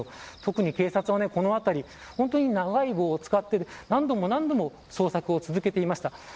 特に警察はこの辺り長い棒を使って、何度も何度も捜索を続けていました。